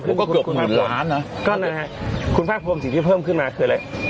ก็เกือบหมื่นล้านนะคุณภาครมสิ่งที่เพิ่มขึ้นมาคืออะไร